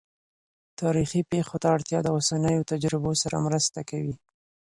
تاریخي پېښو ته اړتیا د اوسنیو تجربو سره مرسته کوي.